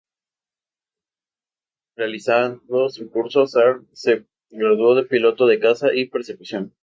Realizado su curso, Zar se graduó de Piloto de Caza y Persecución.